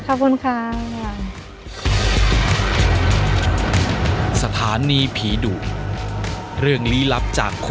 ขอบคุณครับ